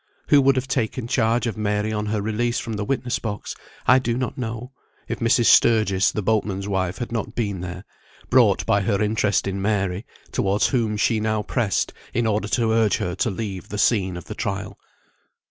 Who would have taken charge of Mary on her release from the witness box I do not know, if Mrs. Sturgis, the boatman's wife, had not been there, brought by her interest in Mary, towards whom she now pressed, in order to urge her to leave the scene of the trial.